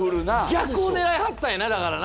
逆を狙いはったんやなだからな。